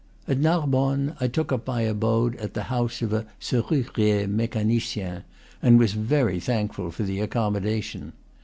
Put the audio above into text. At Narbonne I took up my abode at the house of a serrurier mecanicien, and was very thankful for the accommodation.